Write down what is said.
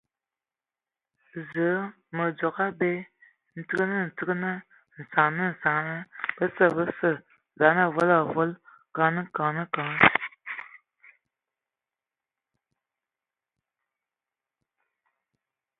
Zǝə, mǝ dzogo abe, tsigi tsigi, saŋa saŋa ! Bəsə, bəsə, zaan avol avol !... Kǝŋ Kǝŋ Kǝŋ Kǝŋ!